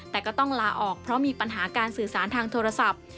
แต่ก็ต้องลาออกเพราะมีปัญหาการสื่อสารทางโทรศัพท์